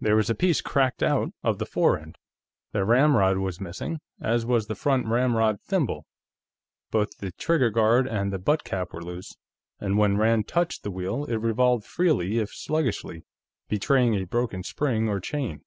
There was a piece cracked out of the fore end, the ramrod was missing, as was the front ramrod thimble, both the trigger guard and the butt cap were loose, and when Rand touched the wheel, it revolved freely if sluggishly, betraying a broken spring or chain.